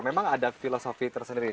memang ada filosofi tersendiri